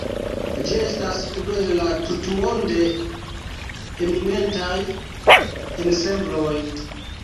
Ĝi estas unu el la tutmonde eminentaj ensembloj.